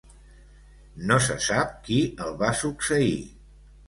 No se sap qui el va succeir.